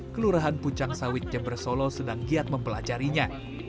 kelurahan pucang sawit jember solo sedang giat mempelajarinya